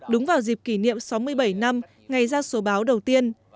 đúng vào dịp kỷ niệm sáu mươi bảy năm ngày ra số báo đầu tiên